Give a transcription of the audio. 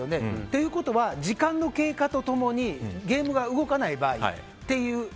ということは時間の経過と共にゲームが動かない場合。